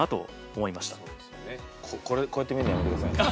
こうやって見るのやめて下さいね。